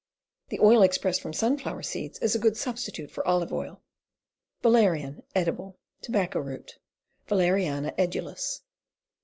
The oil expressed from sunflower seeds is a good substitute for olive oil. Valerian, Edible. Tobacco root. Valeriana edulis.